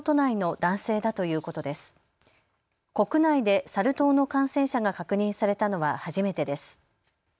国内でサル痘の感染者が確認されたのは初めてです。